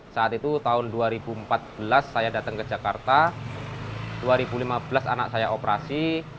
saat itu tahun dua ribu empat belas saya datang ke jakarta dua ribu lima belas anak saya operasi